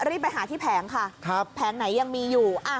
รีบไปหาที่แผงค่ะแผงไหนยังมีอยู่